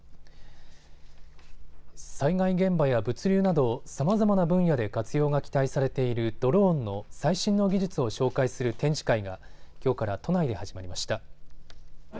災害現場や物流などさまざまな分野で活用が期待されているドローンの最新の技術を紹介する展示会がきょうから都内で始まりました。